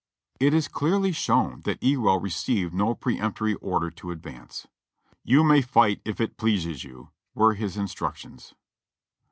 It is clearly shown that Ewell received no peremptory order to advance. "You may fight if it pleases you," were his instruc tions.